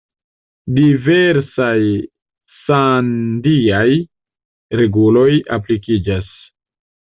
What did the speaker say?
Diversaj sandhi-aj reguloj aplikiĝas.